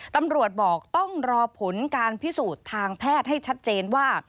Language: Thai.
ตำรวจบอกต้องรอผลการพิสูจน์ทางแพทย์ให้ชัดเจนว่า